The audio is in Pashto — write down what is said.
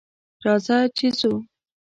راځه ! چې ځو.